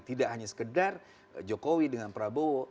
tidak hanya sekedar jokowi dengan prabowo